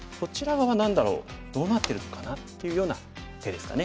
どうなってるのかな？」っていうような手ですかね。